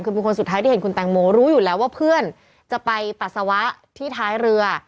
คือเป็นคนสุดท้ายที่เห็นคุณแตงโมรู้อยู่แล้วว่าเพื่อนจะไปปัสสาวะที่ท้ายเรือ